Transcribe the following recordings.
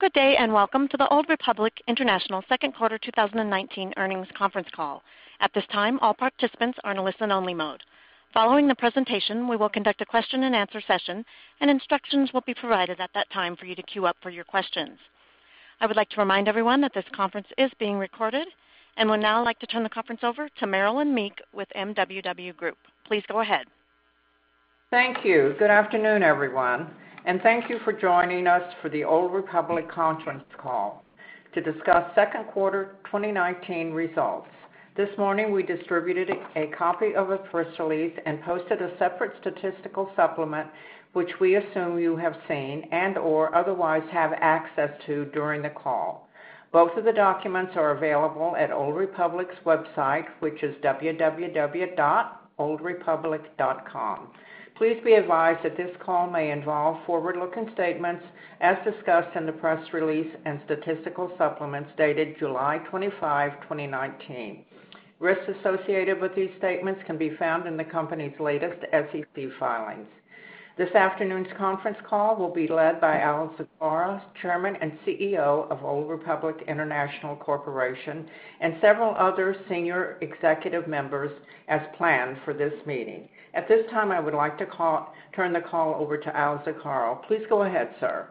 Good day. Welcome to the Old Republic International second quarter 2019 earnings conference call. At this time, all participants are in a listen-only mode. Following the presentation, we will conduct a question and answer session, and instructions will be provided at that time for you to queue up for your questions. I would like to remind everyone that this conference is being recorded and would now like to turn the conference over to Marilynn Meek with MWW Group. Please go ahead. Thank you. Good afternoon, everyone, and thank you for joining us for the Old Republic conference call to discuss second quarter 2019 results. This morning, we distributed a copy of a press release and posted a separate statistical supplement, which we assume you have seen and/or otherwise have access to during the call. Both of the documents are available at oldrepublic's website, which is www.oldrepublic.com. Please be advised that this call may involve forward-looking statements as discussed in the press release and statistical supplements dated July 25, 2019. Risks associated with these statements can be found in the company's latest SEC filings. This afternoon's conference call will be led by Al Zucaro, Chairman and CEO of Old Republic International Corporation, and several other senior executive members as planned for this meeting. At this time, I would like to turn the call over to Al Zucaro. Please go ahead, sir.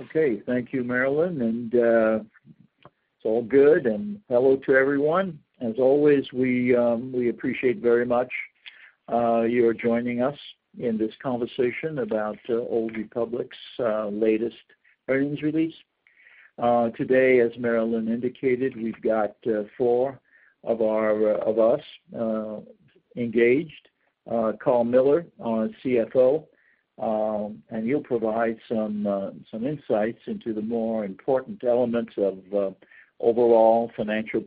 Okay. Thank you, Marilynn. It's all good. Hello to everyone. As always, we appreciate very much you joining us in this conversation about Old Republic's latest earnings release. Today, as Marilynn indicated, we've got four of us engaged. Karl Mueller, our CFO. He'll provide some insights into the more important elements of overall financial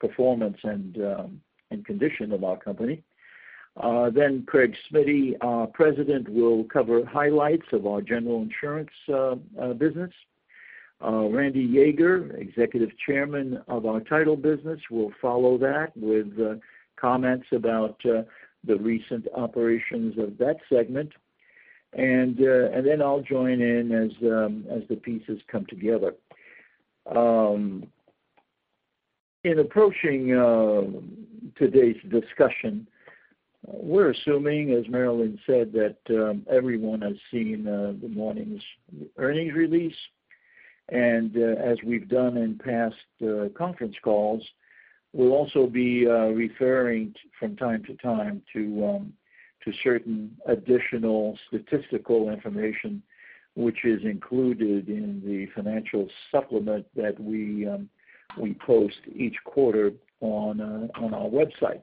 performance and condition of our company. Craig Smiddy, our President, will cover highlights of our general insurance business. Rande Yeager, Executive Chairman of our title business, will follow that with comments about the recent operations of that segment. I'll join in as the pieces come together. In approaching today's discussion, we're assuming, as Marilynn said, that everyone has seen the morning's earnings release. As we've done in past conference calls, we'll also be referring from time to time to certain additional statistical information, which is included in the financial supplement that we post each quarter on our website.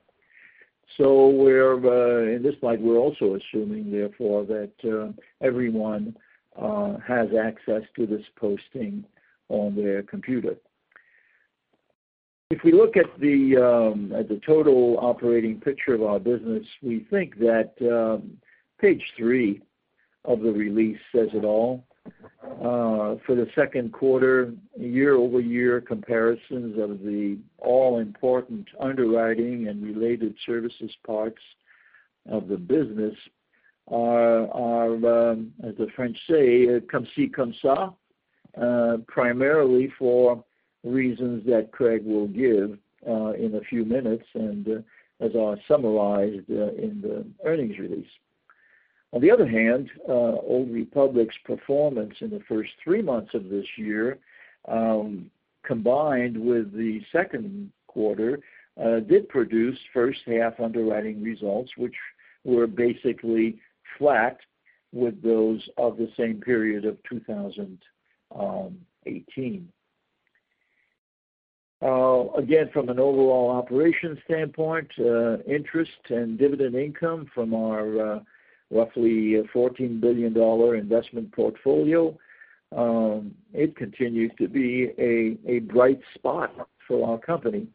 At this point, we're also assuming, therefore, that everyone has access to this posting on their computer. If we look at the total operating picture of our business, we think that page three of the release says it all. For the second quarter, year-over-year comparisons of the all-important underwriting and related services parts of the business are, as the French say, comme ci, comme ca, primarily for reasons that Craig will give in a few minutes and as are summarized in the earnings release. Old Republic's performance in the first three months of this year, combined with the second quarter, did produce first-half underwriting results, which were basically flat with those of the same period of 2018. Again, from an overall operations standpoint, interest and dividend income from our roughly $14 billion investment portfolio, it continues to be a bright spot for our company.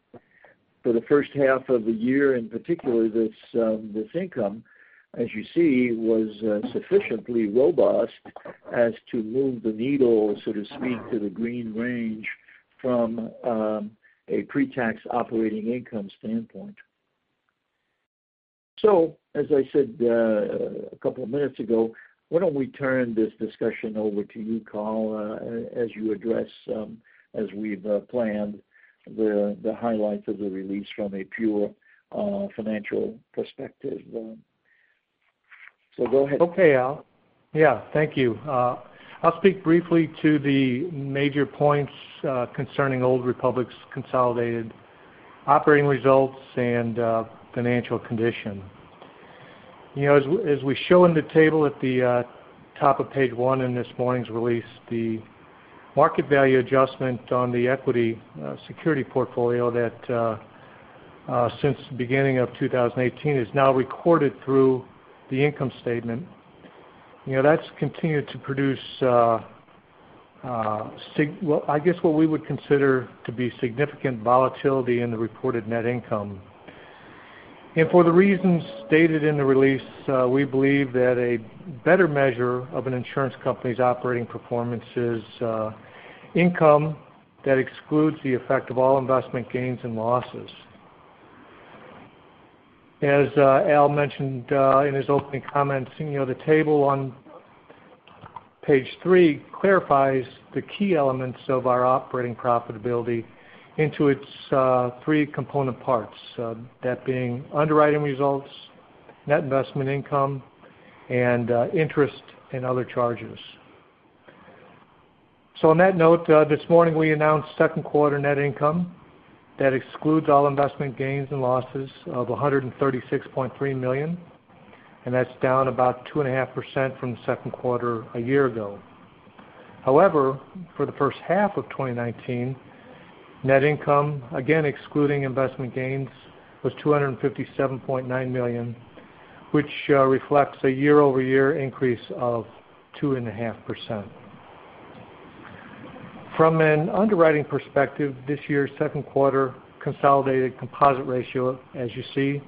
For the first half of the year in particular, this income, as you see, was sufficiently robust as to move the needle, so to speak, to the green range from a pre-tax operating income standpoint. As I said a couple of minutes ago, why don't we turn this discussion over to you, Karl, as you address, as we've planned, the highlights of the release from a pure financial perspective. Go ahead. Okay, Al. Yeah, thank you. I'll speak briefly to the major points concerning Old Republic's consolidated operating results and financial condition. As we show in the table at the top of page one in this morning's release, the market value adjustment on the equity security portfolio that since the beginning of 2018 is now recorded through the income statement. That's continued to produce, I guess, what we would consider to be significant volatility in the reported net income. For the reasons stated in the release, we believe that a better measure of an insurance company's operating performance is income that excludes the effect of all investment gains and losses. As Al mentioned in his opening comments, the table on page three clarifies the key elements of our operating profitability into its three component parts, that being underwriting results, net investment income, and interest and other charges. On that note, this morning we announced second quarter net income that excludes all investment gains and losses of $136.3 million, and that's down about 2.5% from the second quarter a year ago. However, for the first half of 2019, net income, again, excluding investment gains, was $257.9 million, which reflects a year-over-year increase of 2.5%. From an underwriting perspective, this year's second quarter consolidated composite ratio, as you see,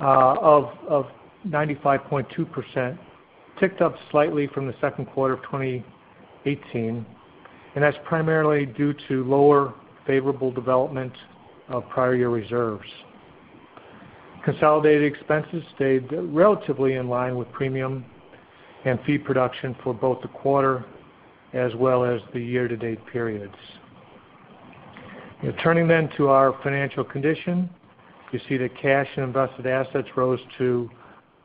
of 95.2% ticked up slightly from the second quarter of 2018, and that's primarily due to lower favorable development of prior year reserves. Consolidated expenses stayed relatively in line with premium and fee production for both the quarter as well as the year-to-date periods. Turning then to our financial condition, you see that cash and invested assets rose to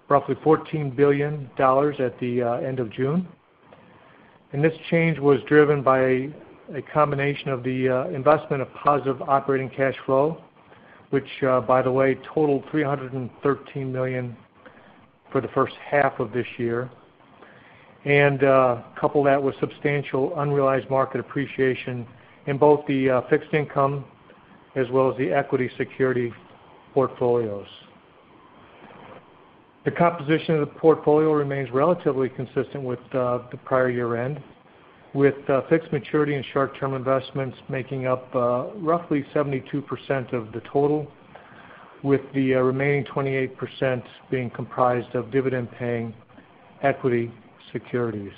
roughly $14 billion at the end of June. This change was driven by a combination of the investment of positive operating cash flow, which by the way, totaled $313 million for the first half of this year. Couple that with substantial unrealized market appreciation in both the fixed income as well as the equity security portfolios. The composition of the portfolio remains relatively consistent with the prior year-end, with fixed maturity and short-term investments making up roughly 72% of the total, with the remaining 28% being comprised of dividend-paying equity securities.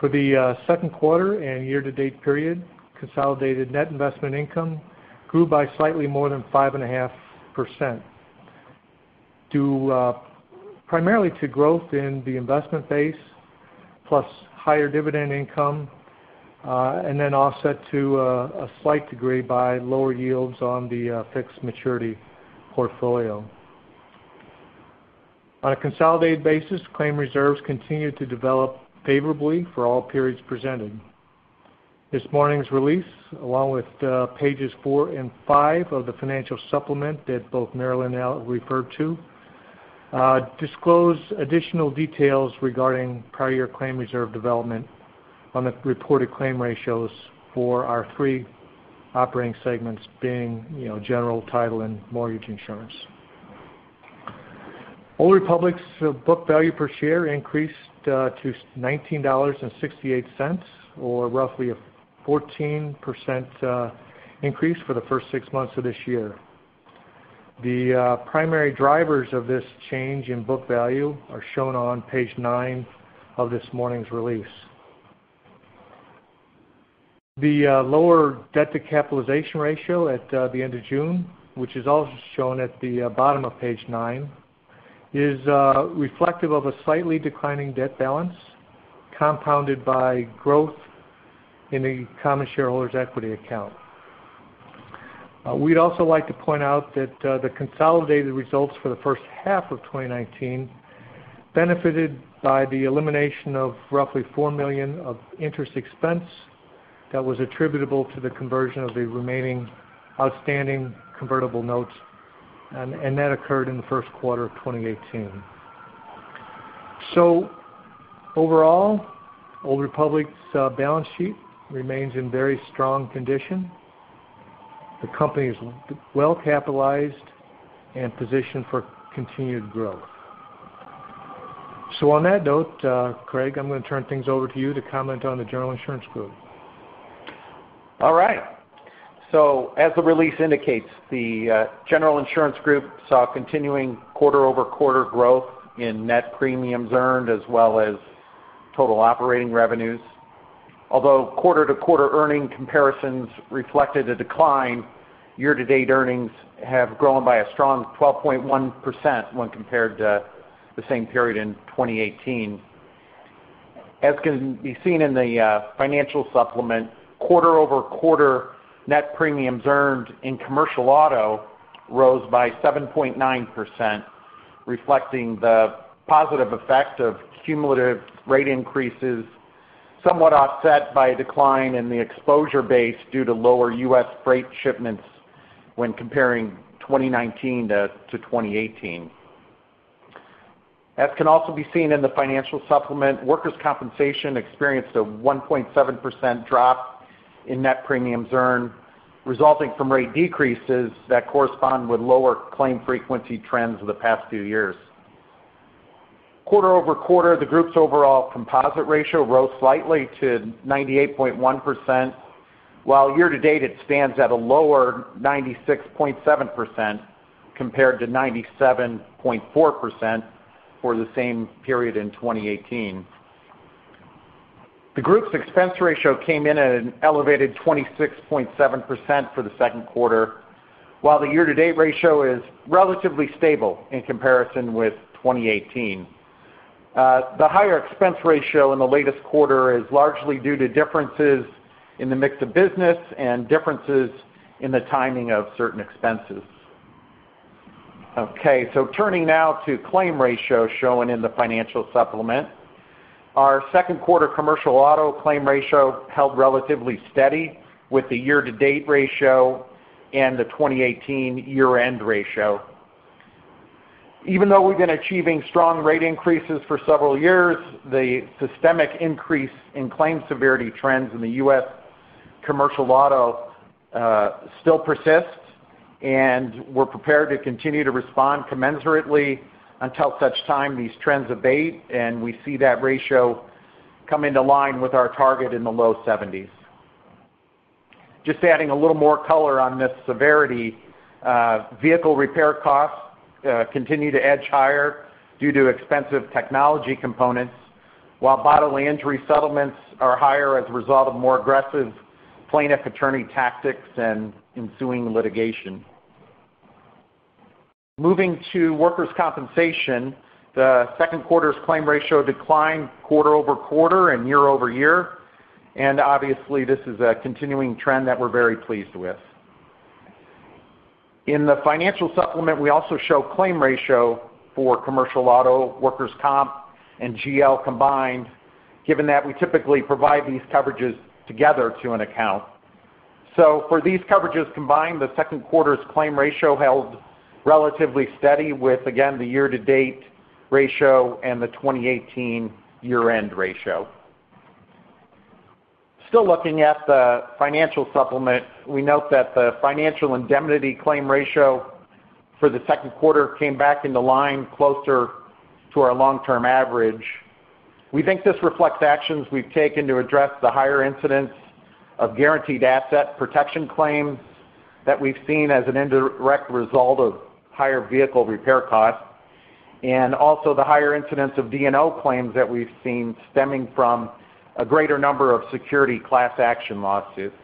For the second quarter and year-to-date period, consolidated net investment income grew by slightly more than 5.5%, primarily to growth in the investment base, plus higher dividend income, and then offset to a slight degree by lower yields on the fixed maturity portfolio. On a consolidated basis, claim reserves continued to develop favorably for all periods presented. This morning's release, along with pages four and five of the financial supplement that both Marilynn and Al referred to, disclose additional details regarding prior year claim reserve development on the reported claim ratios for our three operating segments being General, Title, and mortgage guaranty. Old Republic's book value per share increased to $19.68, or roughly a 14% increase for the first six months of this year. The primary drivers of this change in book value are shown on page nine of this morning's release. The lower debt-to-capitalization ratio at the end of June, which is also shown at the bottom of page nine, is reflective of a slightly declining debt balance, compounded by growth in the common shareholders' equity account. We'd also like to point out that the consolidated results for the first half of 2019 benefited by the elimination of roughly $4 million of interest expense that was attributable to the conversion of the remaining outstanding convertible notes, and that occurred in the first quarter of 2018. Overall, Old Republic's balance sheet remains in very strong condition. The company is well-capitalized and positioned for continued growth. On that note, Craig, I'm going to turn things over to you to comment on the General Insurance Group. As the release indicates, the General Insurance Group saw continuing quarter-over-quarter growth in net premiums earned as well as total operating revenues. Although quarter-to-quarter earning comparisons reflected a decline, year-to-date earnings have grown by a strong 12.1% when compared to the same period in 2018. As can be seen in the financial supplement, quarter-over-quarter net premiums earned in commercial auto rose by 7.9%, reflecting the positive effect of cumulative rate increases, somewhat offset by a decline in the exposure base due to lower U.S. freight shipments when comparing 2019 to 2018. As can also be seen in the financial supplement, workers' compensation experienced a 1.7% drop in net premiums earned, resulting from rate decreases that correspond with lower claim frequency trends of the past few years. Quarter-over-quarter, the group's overall composite ratio rose slightly to 98.1%, while year-to-date it stands at a lower 96.7% compared to 97.4% for the same period in 2018. The group's expense ratio came in at an elevated 26.7% for the second quarter, while the year-to-date ratio is relatively stable in comparison with 2018. The higher expense ratio in the latest quarter is largely due to differences in the mix of business and differences in the timing of certain expenses. Turning now to claim ratio shown in the financial supplement. Our second quarter commercial auto claim ratio held relatively steady with the year-to-date ratio and the 2018 year-end ratio. Even though we've been achieving strong rate increases for several years, the systemic increase in claims severity trends in the U.S. commercial auto still persists, and we're prepared to continue to respond commensurately until such time these trends abate and we see that ratio come into line with our target in the low 70s. Just adding a little more color on this severity, vehicle repair costs continue to edge higher due to expensive technology components, while bodily injury settlements are higher as a result of more aggressive plaintiff attorney tactics and ensuing litigation. Moving to workers' compensation, the second quarter's claim ratio declined quarter-over-quarter and year-over-year. Obviously, this is a continuing trend that we're very pleased with. In the financial supplement, we also show claim ratio for commercial auto workers' comp and GL combined, given that we typically provide these coverages together to an account. For these coverages combined, the second quarter's claim ratio held relatively steady with, again, the year-to-date ratio and the 2018 year-end ratio. Still looking at the financial supplement, we note that the financial indemnity claim ratio for the second quarter came back into line closer to our long-term average. We think this reflects actions we've taken to address the higher incidents of guaranteed asset protection claims that we've seen as an indirect result of higher vehicle repair costs, and also the higher incidents of D&O claims that we've seen stemming from a greater number of security class action lawsuits.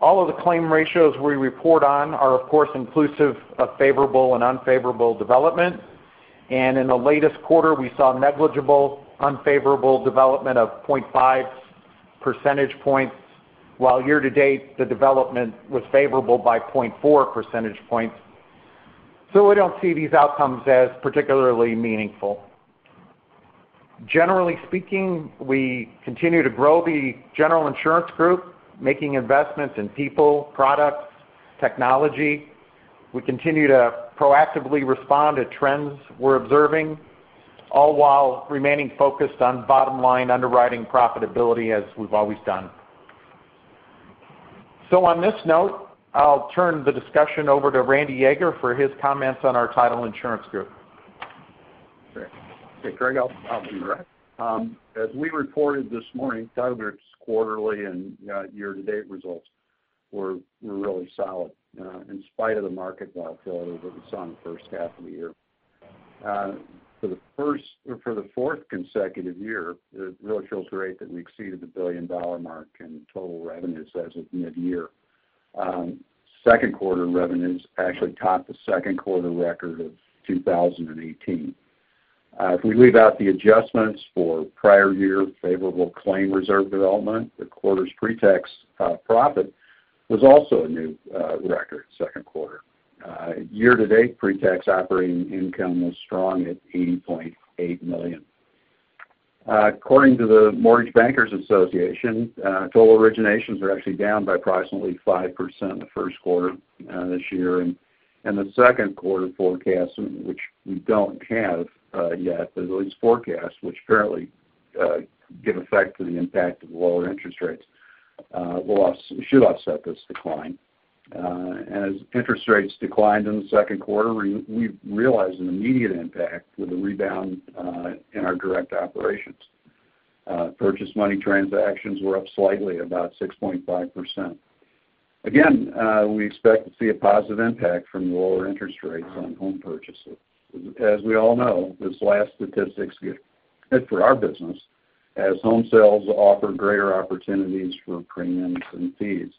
All of the claim ratios we report on are, of course, inclusive of favorable and unfavorable development. In the latest quarter, we saw negligible unfavorable development of 0.5 percentage points, while year to date, the development was favorable by 0.4 percentage points. We don't see these outcomes as particularly meaningful. Generally speaking, we continue to grow the General Insurance Group, making investments in people, products, technology. We continue to proactively respond to trends we're observing, all while remaining focused on bottom-line underwriting profitability as we've always done. On this note, I'll turn the discussion over to Rande Yeager for his comments on our Title Insurance Group. Great. Hey, Craig. I'll be direct. As we reported this morning, Title Group's quarterly and year-to-date results were really solid in spite of the market volatility that we saw in the first half of the year. For the fourth consecutive year, it really feels great that we exceeded the billion-dollar mark in total revenues as of mid-year. Second quarter revenues actually topped the second quarter record of 2018. If we leave out the adjustments for prior year favorable claim reserve development, the quarter's pre-tax profit was also a new record second quarter. Year to date, pre-tax operating income was strong at $80.8 million. According to the Mortgage Bankers Association, total originations were actually down by approximately 5% in the first quarter this year. The second quarter forecast, which we don't have yet, but at least forecast, which currently give effect to the impact of lower interest rates should offset this decline. As interest rates declined in the second quarter, we realized an immediate impact with a rebound in our direct operations. Purchase money transactions were up slightly, about 6.5%. Again, we expect to see a positive impact from lower interest rates on home purchases. As we all know, these last statistics are good for our business as home sales offer greater opportunities for premiums and fees.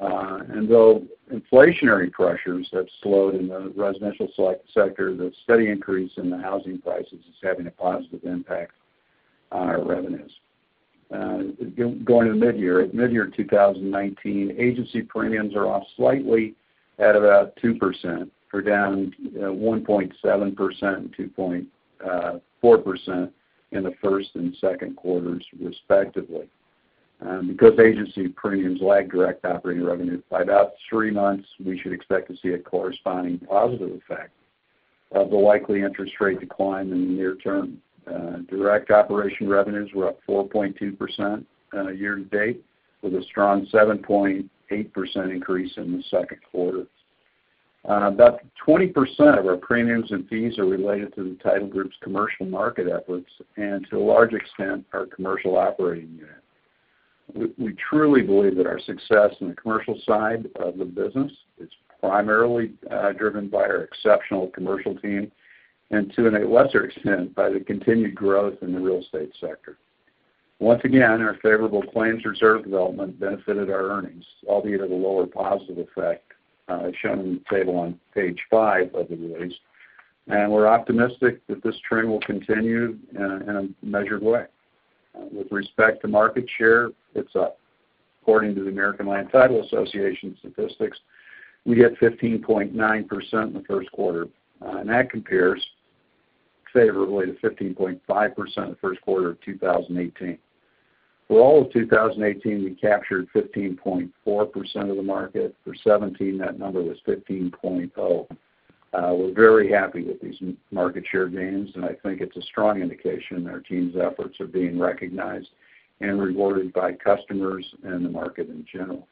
Though inflationary pressures have slowed in the residential sector, the steady increase in the housing prices is having a positive impact on our revenues. Going to the mid-year, at mid-year 2019, agency premiums are off slightly at about 2%, or down 1.7% and 2.4% in the first and second quarters, respectively. Because agency premiums lag direct operating revenue by about three months, we should expect to see a corresponding positive effect of the likely interest rate decline in the near term. Direct operation revenues were up 4.2% year to date, with a strong 7.8% increase in the second quarter. About 20% of our premiums and fees are related to the Title Group's commercial market efforts and to a large extent, our commercial operating unit. We truly believe that our success in the commercial side of the business is primarily driven by our exceptional commercial team, and to a lesser extent, by the continued growth in the real estate sector. Once again, our favorable claims reserve development benefited our earnings, albeit at a lower positive effect, as shown in the table on page five of the release. We're optimistic that this trend will continue in a measured way. With respect to market share, it's up. According to the American Land Title Association statistics, we get 15.9% in the first quarter. That compares favorably to 15.5% in the first quarter of 2018. For all of 2018, we captured 15.4% of the market. For 2017, that number was 15.0%. We're very happy with these market share gains, and I think it's a strong indication our team's efforts are being recognized and rewarded by customers and the market in general.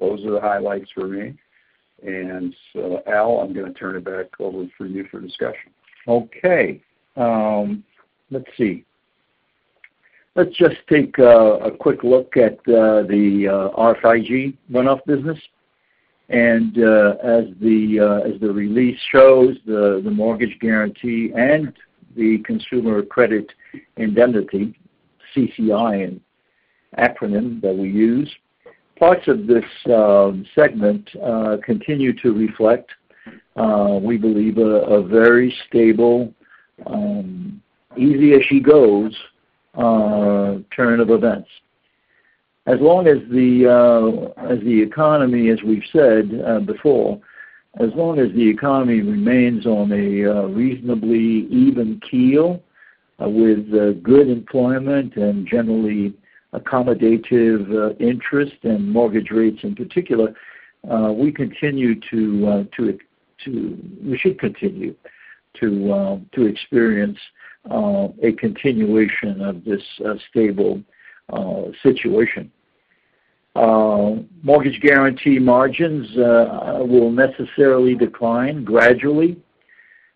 Those are the highlights for me. Al, I'm going to turn it back over to you for discussion. Let's see. Let's just take a quick look at the RFIG runoff business. As the release shows, the mortgage guaranty and the consumer credit indemnity, CCI an acronym that we use, parts of this segment continue to reflect, we believe, a very stable, easy as she goes turn of events. As we've said before, as long as the economy remains on a reasonably even keel with good employment and generally accommodative interest and mortgage rates in particular, we should continue to experience a continuation of this stable situation. Mortgage guaranty margins will necessarily decline gradually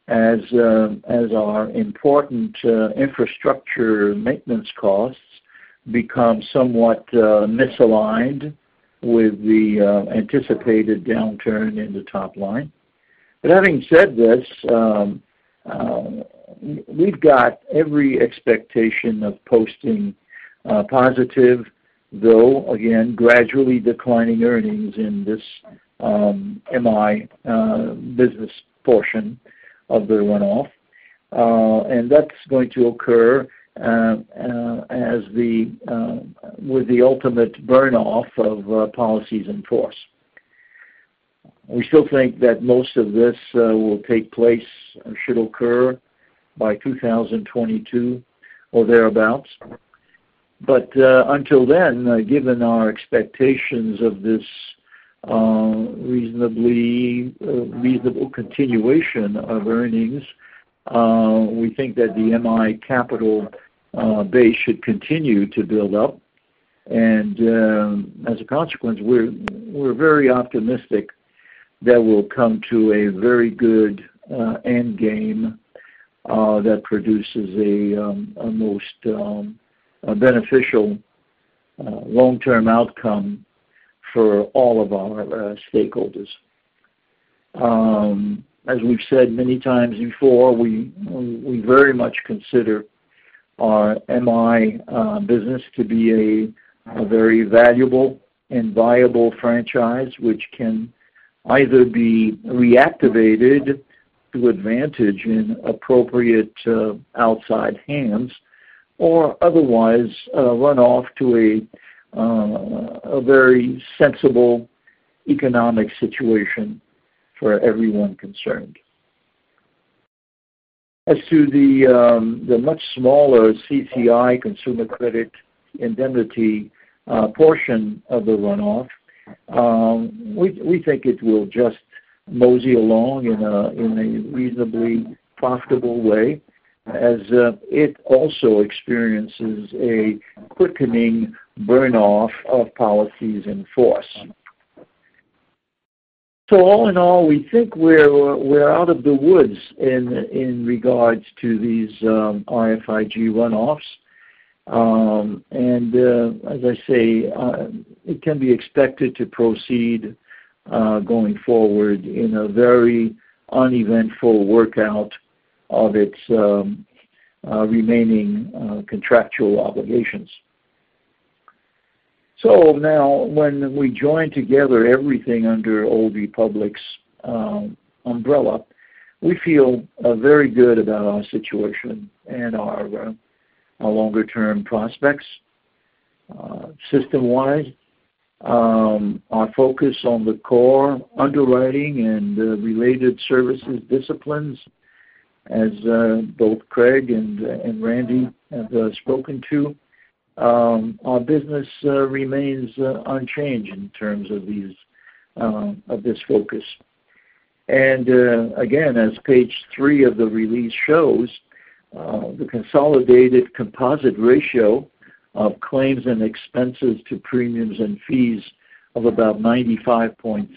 as our important infrastructure maintenance costs become somewhat misaligned with the anticipated downturn in the top line. Having said this, we've got every expectation of posting positive, though, again, gradually declining earnings in this MI business portion of the runoff. That's going to occur with the ultimate burn off of policies in force. We still think that most of this will take place or should occur by 2022 or thereabouts. Until then, given our expectations of this reasonable continuation of earnings, we think that the MI capital base should continue to build up. As a consequence, we're very optimistic that we'll come to a very good end game that produces a most beneficial long-term outcome for all of our stakeholders. As we've said many times before, we very much consider our MI business to be a very valuable and viable franchise, which can either be reactivated to advantage in appropriate outside hands or otherwise runoff to a very sensible economic situation for everyone concerned. The much smaller CCI, consumer credit indemnity, portion of the runoff, we think it will just mosey along in a reasonably profitable way as it also experiences a quickening burn off of policies in force. All in all, we think we're out of the woods in regards to these RFIG runoffs. As I say, it can be expected to proceed going forward in a very uneventful workout of its remaining contractual obligations. Now, when we join together everything under Old Republic's umbrella, we feel very good about our situation and our longer term prospects. System-wise, our focus on the core underwriting and related services disciplines, as both Craig and Rande have spoken to, our business remains unchanged in terms of this focus. Again, as page three of the release shows, the consolidated composite ratio of claims and expenses to premiums and fees of about 95.6%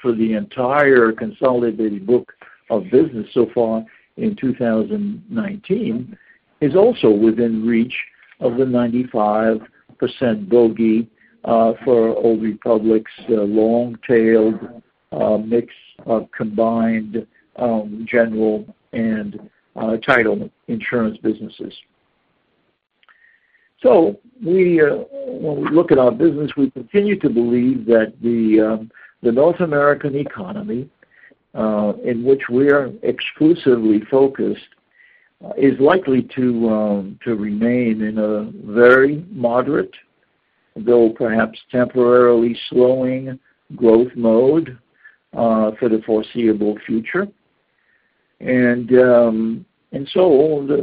for the entire consolidated book of business so far in 2019 is also within reach of the 95% bogey for Old Republic's long-tailed mix of combined general and title insurance businesses. When we look at our business, we continue to believe that the North American economy, in which we are exclusively focused, is likely to remain in a very moderate, though perhaps temporarily slowing growth mode for the foreseeable future. The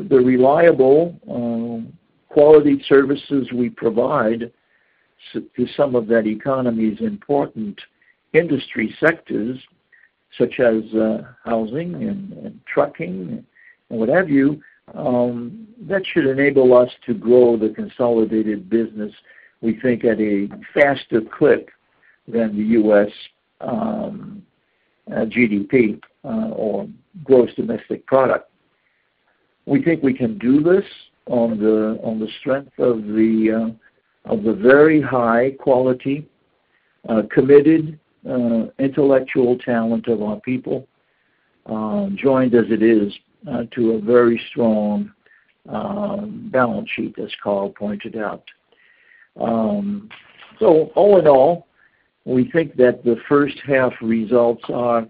reliable quality services we provide to some of that economy's important industry sectors, such as housing and trucking, and what have you, that should enable us to grow the consolidated business, we think at a faster clip than the U.S. GDP or gross domestic product. We think we can do this on the strength of the very high-quality, committed intellectual talent of our people, joined as it is to a very strong balance sheet, as Karl pointed out. All in all, we think that the first half results are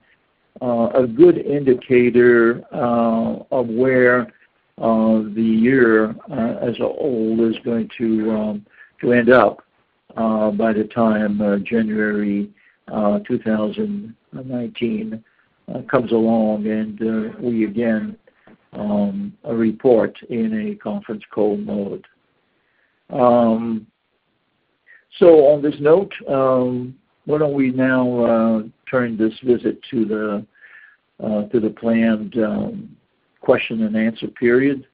a good indicator of where the year as a whole is going to end up by the time January 2019 comes along and we again report in a conference call mode. On this note, why don't we now turn this visit to the planned question and answer period?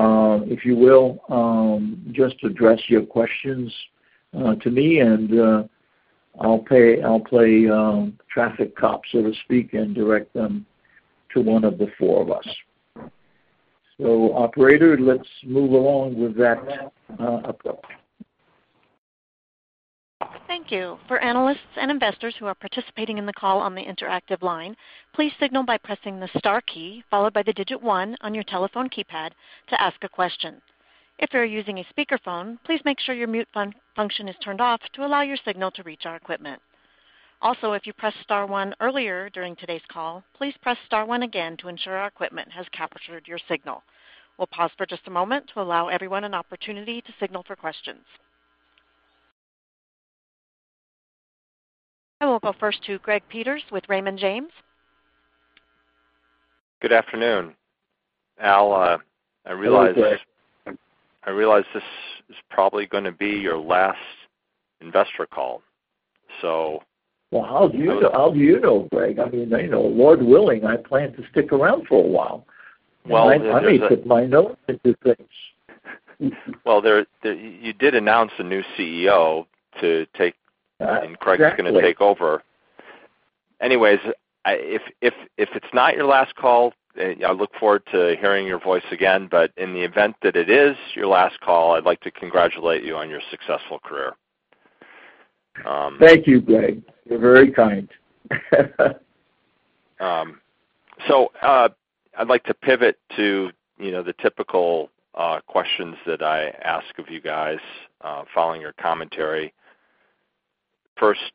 If you will, just address your questions to me, and I'll play traffic cop, so to speak, and direct them to one of the four of us. Operator, let's move along with that approach. Thank you. For analysts and investors who are participating in the call on the interactive line, please signal by pressing the star key, followed by the digit one on your telephone keypad to ask a question. If you're using a speakerphone, please make sure your mute function is turned off to allow your signal to reach our equipment. Also, if you pressed star one earlier during today's call, please press star one again to ensure our equipment has captured your signal. We'll pause for just a moment to allow everyone an opportunity to signal for questions. I will go first to Greg Peters with Raymond James. Good afternoon. Hello, Greg. I realize this is probably going to be your last investor call. Well, how do you know, Greg? Lord willing, I plan to stick around for a while. Well, there's. My money's in my nose these days. Well, you did announce a new CEO and Craig- Exactly is going to take over. Anyways, if it's not your last call, I look forward to hearing your voice again. In the event that it is your last call, I'd like to congratulate you on your successful career. Thank you, Greg. You're very kind. I'd like to pivot to the typical questions that I ask of you guys following your commentary. First,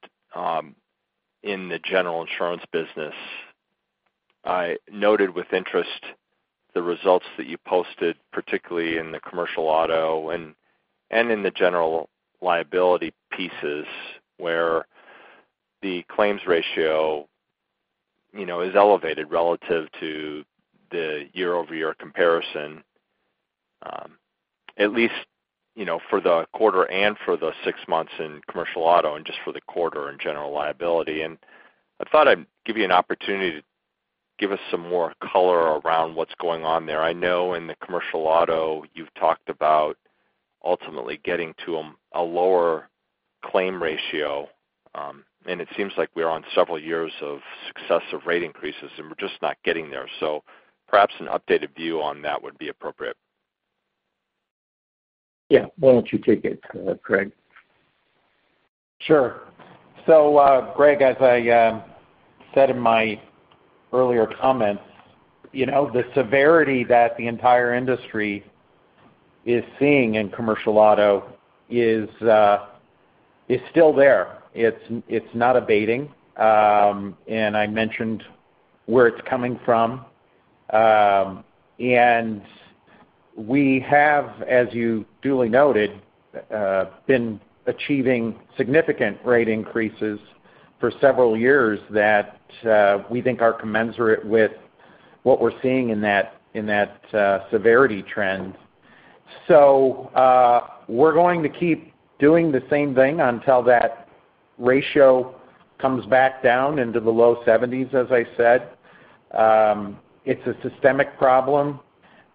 in the general insurance business, I noted with interest the results that you posted, particularly in the commercial auto and in the general liability pieces, where the claims ratio is elevated relative to the year-over-year comparison, at least for the quarter and for the six months in commercial auto and just for the quarter in general liability. I thought I'd give you an opportunity to give us some more color around what's going on there. I know in the commercial auto, you've talked about ultimately getting to a lower claim ratio. It seems like we're on several years of successive rate increases, and we're just not getting there. Perhaps an updated view on that would be appropriate. Yeah. Why don't you take it, Craig? Sure. Greg, as I said in my earlier comments, the severity that the entire industry is seeing in commercial auto is still there. It's not abating. I mentioned where it's coming from. We have, as you duly noted, been achieving significant rate increases for several years that we think are commensurate with what we're seeing in that severity trend. We're going to keep doing the same thing until that ratio comes back down into the low 70s, as I said. It's a systemic problem,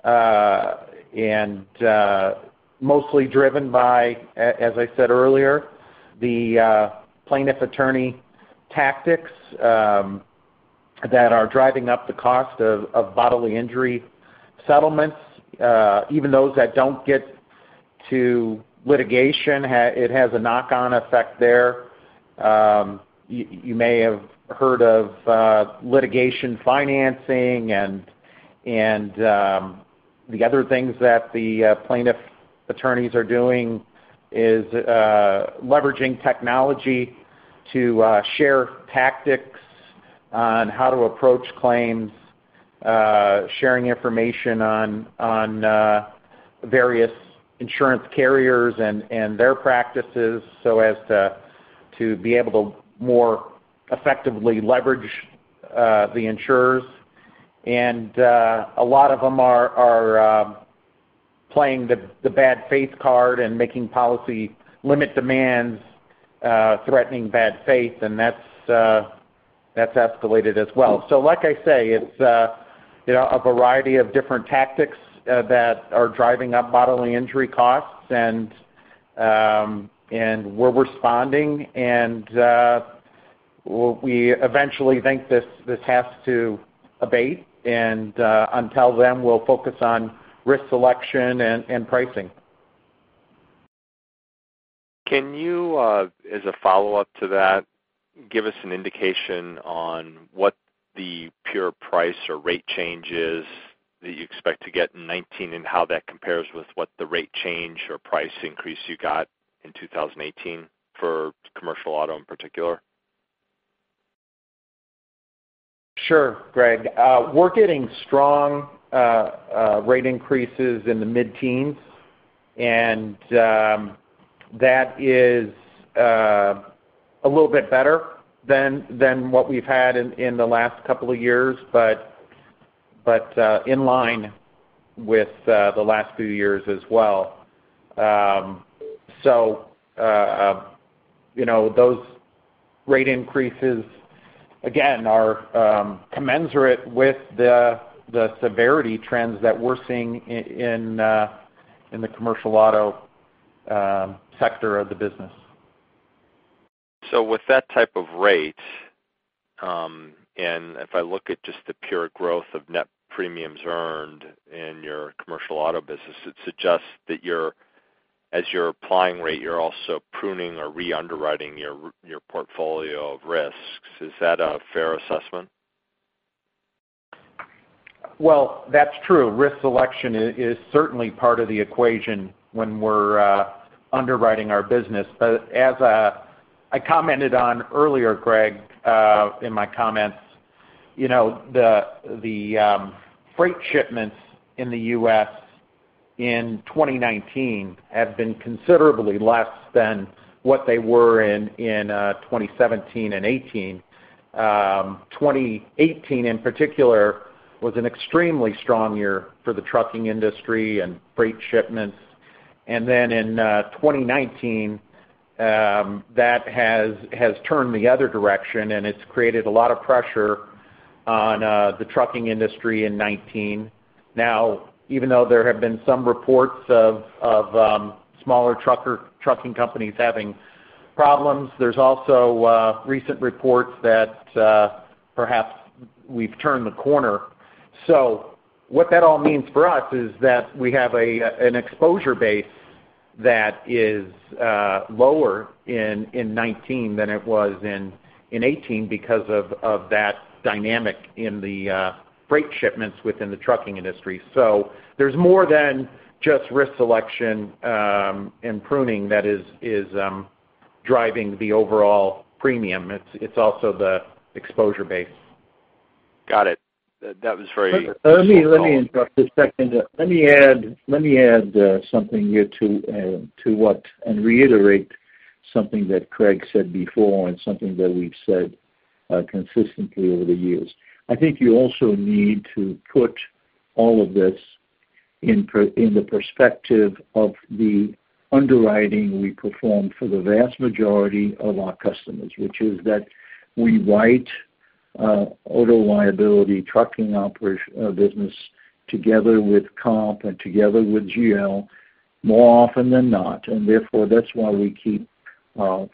and mostly driven by, as I said earlier, the plaintiff attorney tactics that are driving up the cost of bodily injury settlements. Even those that don't get to litigation, it has a knock-on effect there. You may have heard of litigation financing and the other things that the plaintiff attorneys are doing is leveraging technology to share tactics on how to approach claims, sharing information on various insurance carriers and their practices so as to be able to more effectively leverage the insurers. A lot of them are playing the bad faith card and making policy limit demands threatening bad faith, and that's escalated as well. Like I say, it's a variety of different tactics that are driving up bodily injury costs, and we're responding, and we eventually think this has to abate, and until then, we'll focus on risk selection and pricing. Can you, as a follow-up to that, give us an indication on what the pure price or rate change is that you expect to get in 2019 and how that compares with what the rate change or price increase you got in 2018 for commercial auto in particular? Sure, Greg. We're getting strong rate increases in the mid-teens, and that is a little bit better than what we've had in the last couple of years, but in line with the last few years as well. Those rate increases, again, are commensurate with the severity trends that we're seeing in the commercial auto sector of the business. With that type of rate, and if I look at just the pure growth of net premiums earned in your commercial auto business, it suggests that as you're applying rate, you're also pruning or re-underwriting your portfolio of risks. Is that a fair assessment? Well, that's true. Risk selection is certainly part of the equation when we're underwriting our business. As I commented on earlier, Greg, in my comments, the freight shipments in the U.S. in 2019 have been considerably less than what they were in 2017 and 2018. 2018 in particular, was an extremely strong year for the trucking industry and freight shipments. In 2019, that has turned the other direction, and it's created a lot of pressure on the trucking industry in 2019. Even though there have been some reports of smaller trucking companies having problems, there's also recent reports that perhaps we've turned the corner. What that all means for us is that we have an exposure base that is lower in 2019 than it was in 2018 because of that dynamic in the freight shipments within the trucking industry. There's more than just risk selection and pruning that is driving the overall premium. It's also the exposure base. Got it. That was very helpful. Let me interrupt a second. Let me add something here too, and reiterate something that Greg said before and something that we've said consistently over the years. I think you also need to put all of this in the perspective of the underwriting we perform for the vast majority of our customers, which is that we write auto liability trucking business together with comp and together with GL more often than not, therefore, that's why we keep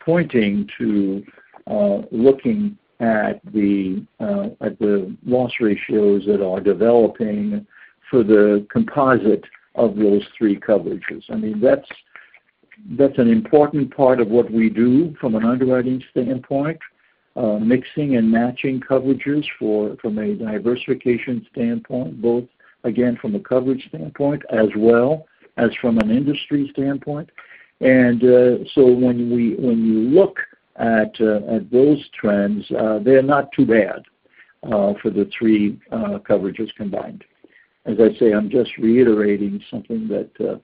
pointing to looking at the loss ratios that are developing for the composite of those three coverages. That's an important part of what we do from an underwriting standpoint, mixing and matching coverages from a diversification standpoint, both, again, from a coverage standpoint as well as from an industry standpoint. When you look at those trends, they're not too bad for the three coverages combined. As I say, I'm just reiterating something that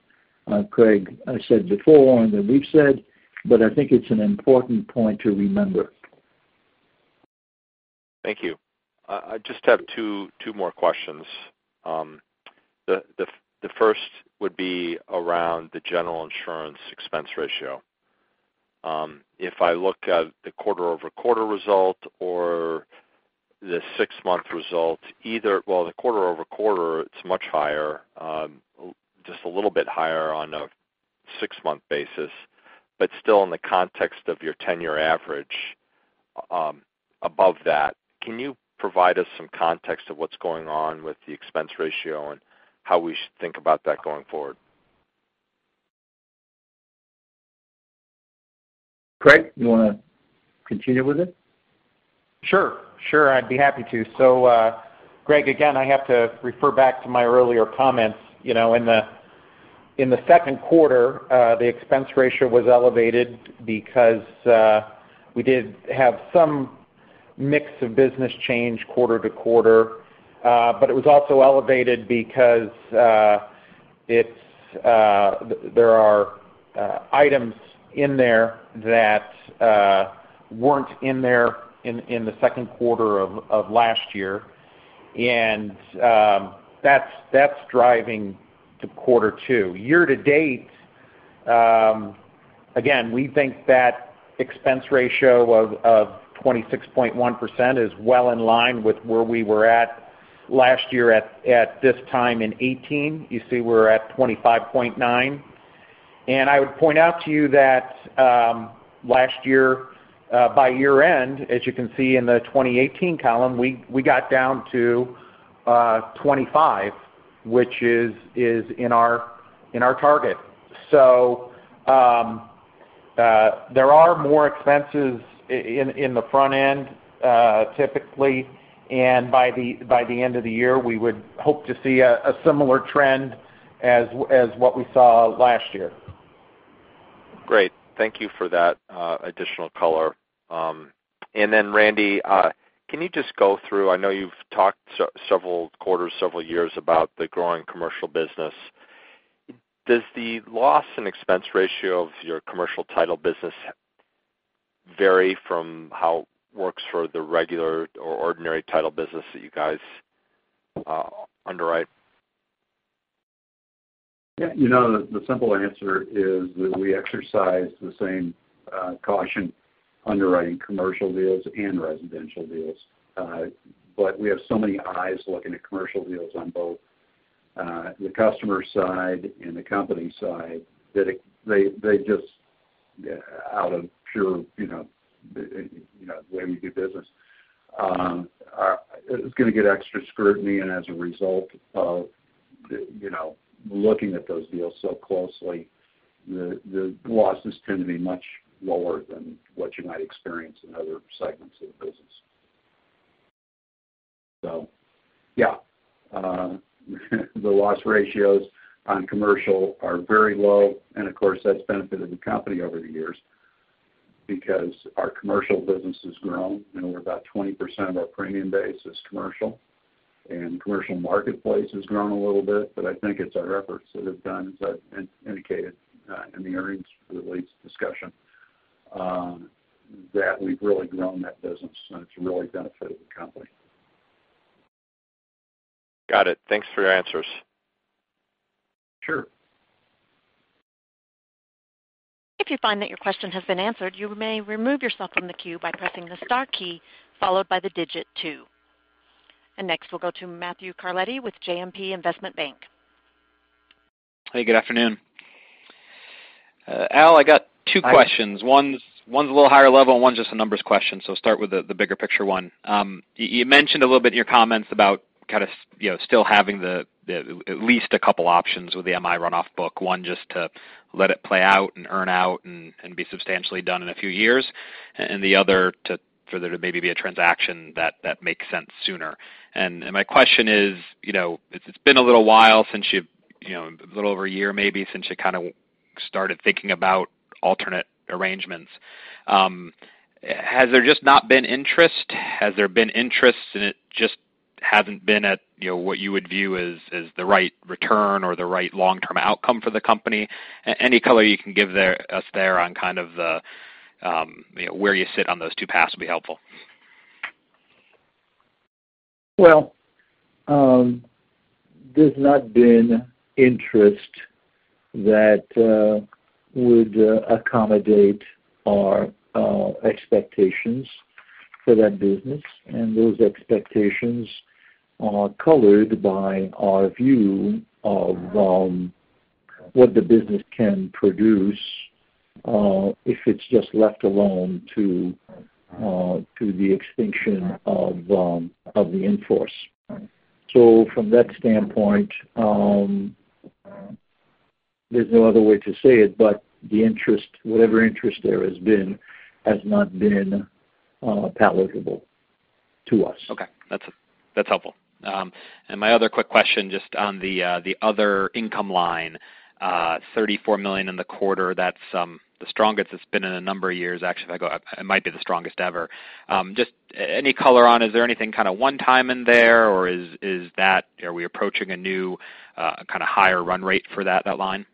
Greg said before and that we've said, but I think it's an important point to remember. Thank you. I just have two more questions. The first would be around the general insurance expense ratio. If I look at the quarter-over-quarter result or the six-month result, Well, the quarter-over-quarter, it's much higher, just a little bit higher on a six-month basis, but still in the context of your 10-year average above that. Can you provide us some context of what's going on with the expense ratio and how we should think about that going forward? Craig, you want to continue with it? Sure. I'd be happy to. Greg, again, I have to refer back to my earlier comments. In the second quarter, the expense ratio was elevated because we did have some mix of business change quarter-to-quarter. It was also elevated because there are items in there that weren't in there in the second quarter of last year. That's driving the quarter two. Year-to-date, again, we think that expense ratio of 26.1% is well in line with where we were at last year at this time in 2018. You see we're at 25.9%. I would point out to you that last year, by year-end, as you can see in the 2018 column, we got down to 25%, which is in our target. There are more expenses in the front end, typically, and by the end of the year, we would hope to see a similar trend as what we saw last year. Great. Thank you for that additional color. Rande, can you just go through, I know you've talked several quarters, several years about the growing commercial business. Does the loss and expense ratio of your commercial title business vary from how it works for the regular or ordinary title business that you guys underwrite? Yeah. The simple answer is that we exercise the same caution underwriting commercial deals and residential deals. We have so many eyes looking at commercial deals on both the customer side and the company side that they, out of the way we do business, it's going to get extra scrutiny. As a result of looking at those deals so closely, the losses tend to be much lower than what you might experience in other segments of the business. Yeah. The loss ratios on commercial are very low, and of course, that's benefited the company over the years because our commercial business has grown, and we're about 20% of our premium base is commercial. Commercial marketplace has grown a little bit, but I think it's our efforts that have done, as I indicated in the earnings release discussion, that we've really grown that business, and it's really benefited the company. Got it. Thanks for your answers. Sure. If you find that your question has been answered, you may remove yourself from the queue by pressing the star key, followed by the digit 2. Next, we'll go to Matthew Carletti with JMP Securities. Hey, good afternoon. Al Zucaro, I got two questions. One's a little higher level and one's just a numbers question. Start with the bigger picture one. You mentioned a little bit in your comments about kind of still having at least a couple options with the MI runoff book. One, just to let it play out and earn out and be substantially done in a few years, and the other for there to maybe be a transaction that makes sense sooner. My question is, it's been a little while, a little over a year maybe, since you kind of started thinking about alternate arrangements. Has there just not been interest? Has there been interest and it just hasn't been at what you would view as the right return or the right long-term outcome for the company? Any color you can give us there on kind of where you sit on those two paths would be helpful. Well, there's not been interest that would accommodate our expectations for that business, and those expectations are colored by our view of what the business can produce, if it's just left alone to the extinction of the in-force. From that standpoint, there's no other way to say it, but whatever interest there has been, has not been palatable to us. Okay. That's helpful. My other quick question, just on the other income line, $34 million in the quarter. That's the strongest it's been in a number of years. Actually, it might be the strongest ever. Just any color on, is there anything kind of one time in there, or are we approaching a new kind of higher run rate for that line?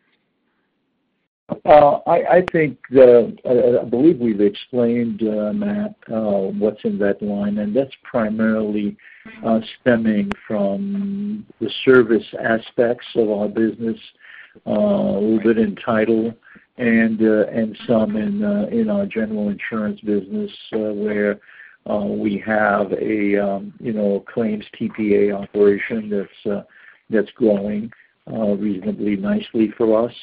I believe we've explained, Matt, what's in that line. That's primarily stemming from the service aspects of our business, a little bit in title and some in our general insurance business where we have a claims TPA operation that's growing reasonably nicely for us.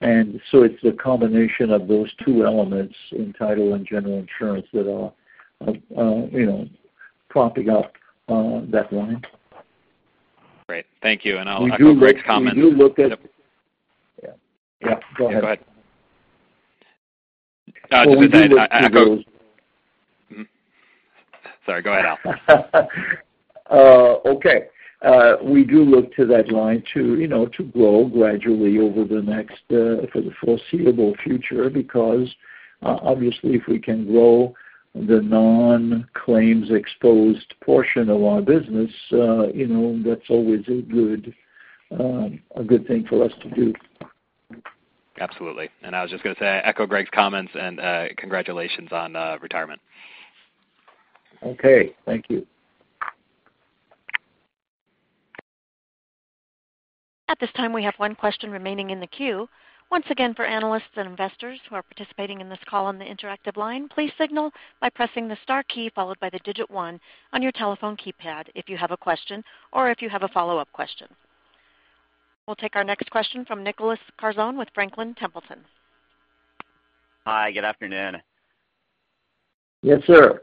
It's the combination of those two elements in title and general insurance that are propping up that line. Great. Thank you. I'll echo Greg's comment. We do look at Yeah. Go ahead. Yeah, go ahead. No, I was just going to say. We do look to those. Sorry, go ahead, Al. We do look to that line to grow gradually over the next, for the foreseeable future, because obviously if we can grow the non-claims exposed portion of our business, that's always a good thing for us to do. Absolutely. I was just going to say, I echo Greg's comments, and congratulations on retirement. Okay. Thank you. At this time, we have one question remaining in the queue. Once again, for analysts and investors who are participating in this call on the interactive line, please signal by pressing the star key followed by the digit one on your telephone keypad if you have a question or if you have a follow-up question. We'll take our next question from Nicholas Karzon with Franklin Templeton. Hi, good afternoon. Yes, sir.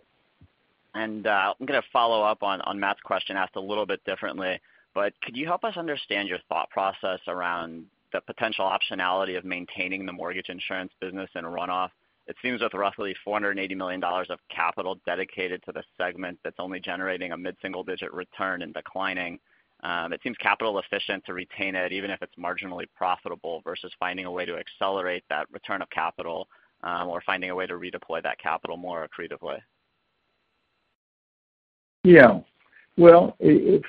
I'm going to follow up on Matt's question asked a little bit differently. Could you help us understand your thought process around the potential optionality of maintaining the mortgage guaranty business in a runoff? It seems with roughly $480 million of capital dedicated to the segment that's only generating a mid-single digit return and declining, it seems capital efficient to retain it, even if it's marginally profitable, versus finding a way to accelerate that return of capital or finding a way to redeploy that capital more accretively. Yeah. Well,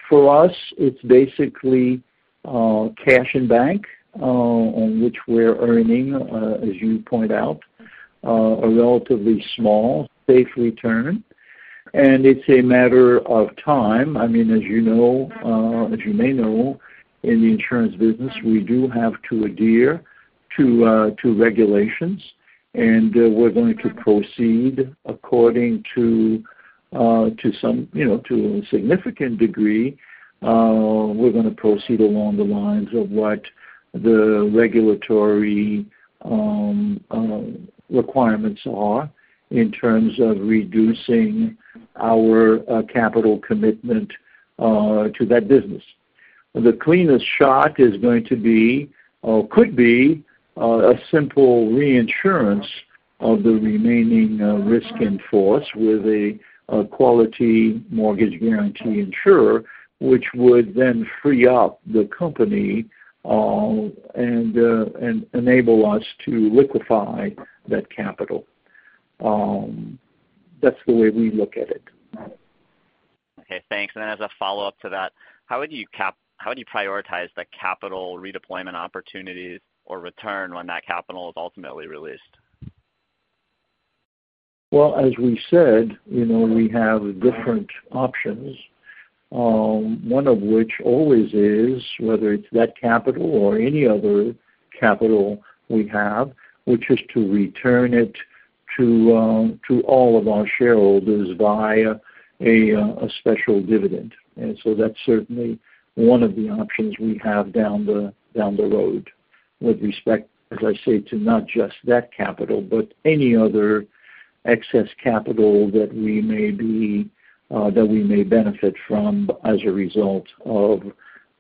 for us, it's basically cash in bank, on which we're earning, as you point out, a relatively small, safe return. It's a matter of time. As you may know, in the insurance business, we do have to adhere to regulations, and we're going to proceed according to a significant degree. We're going to proceed along the lines of what the regulatory requirements are in terms of reducing our capital commitment to that business. The cleanest shot is going to be, or could be, a simple reinsurance of the remaining risk in force with a quality mortgage guaranty insurer, which would then free up the company and enable us to liquefy that capital. That's the way we look at it. Okay, thanks. As a follow-up to that, how would you prioritize the capital redeployment opportunities or return when that capital is ultimately released? Well, as we said, we have different options, one of which always is, whether it's that capital or any other capital we have, which is to return it to all of our shareholders via a special dividend. That's certainly one of the options we have down the road with respect, as I say, to not just that capital, but any other excess capital that we may benefit from as a result of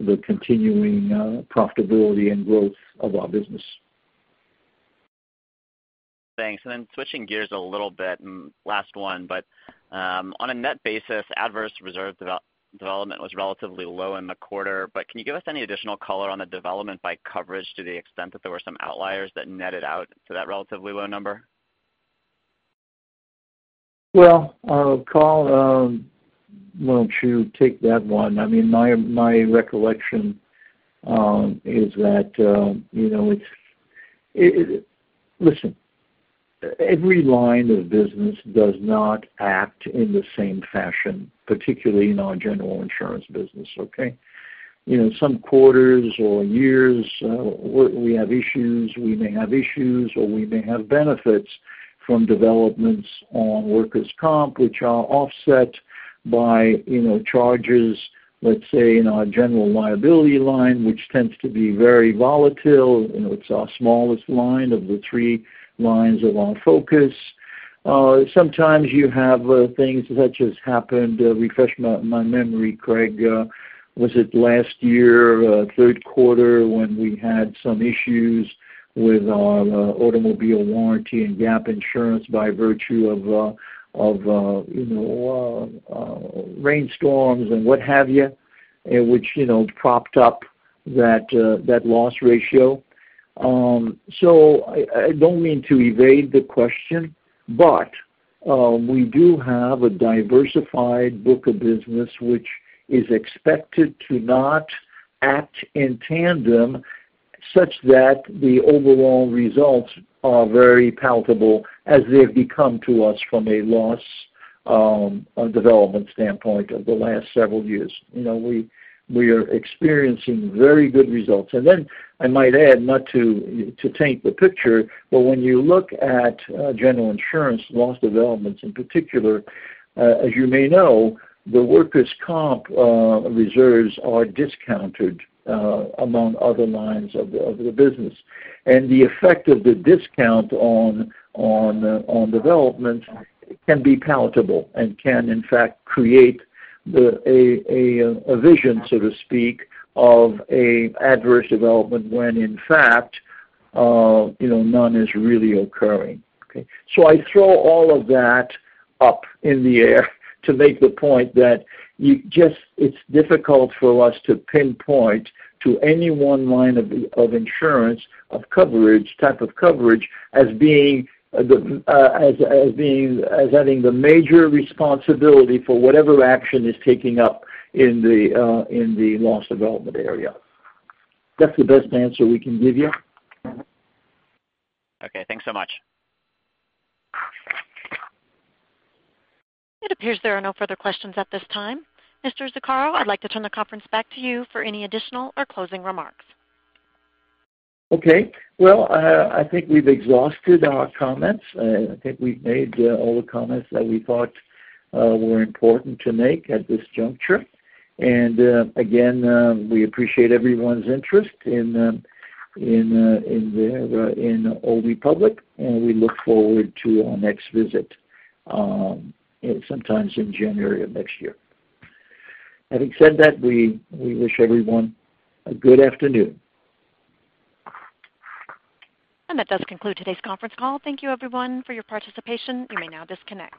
the continuing profitability and growth of our business. Thanks. Switching gears a little bit, and last one, but on a net basis, adverse reserve development was relatively low in the quarter. Can you give us any additional color on the development by coverage to the extent that there were some outliers that netted out to that relatively low number? Well, Karl, why don't you take that one? My recollection is that, listen, every line of business does not act in the same fashion, particularly in our general insurance business, okay. Some quarters or years, we have issues, we may have issues or we may have benefits from developments on workers' comp, which are offset by charges, let's say, in our general liability line, which tends to be very volatile. It's our smallest line of the three lines of our focus. Sometimes you have things that just happened. Refresh my memory, Craig. Was it last year, third quarter, when we had some issues with our automobile warranty and gap insurance by virtue of rainstorms and what have you, which propped up that loss ratio? I don't mean to evade the question, but we do have a diversified book of business which is expected to not act in tandem such that the overall results are very palatable as they've become to us from a loss development standpoint over the last several years. We are experiencing very good results. Then I might add, not to taint the picture, but when you look at general insurance loss developments, in particular, as you may know, the workers' comp reserves are discounted among other lines of the business. The effect of the discount on development can be palatable and can in fact create a vision, so to speak, of a adverse development when in fact, none is really occurring. Okay. I throw all of that up in the air to make the point that it's difficult for us to pinpoint to any one line of insurance, of coverage, type of coverage as having the major responsibility for whatever action is taking up in the loss development area. That's the best answer we can give you. Okay. Thanks so much. It appears there are no further questions at this time. Mr. Zucaro, I'd like to turn the conference back to you for any additional or closing remarks. Okay. Well, I think we've exhausted our comments. I think we've made all the comments that we thought were important to make at this juncture. Again, we appreciate everyone's interest in Old Republic, and we look forward to our next visit sometime in January of next year. Having said that, we wish everyone a good afternoon. That does conclude today's conference call. Thank you everyone for your participation. You may now disconnect.